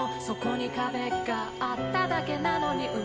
「そこに壁があっただけなのに」